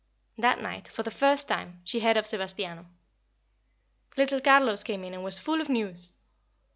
That night, for the first time, she heard of Sebastiano. Little Carlos came in and was full of news.